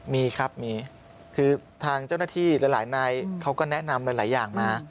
มีครับมีคือทางเจ้าหน้าที่หลายนายเขาก็แนะนำหลายอย่างมา